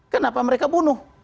kenapa mereka bunuh